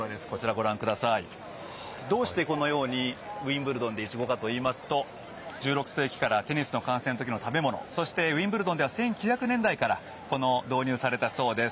どうしてウィンブルドンでイチゴかといいますと１６世紀からテニスの観戦の食べ物そして、ウィンブルドンは１９００年代から導入されたそうです。